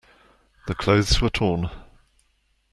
The clothes were torn.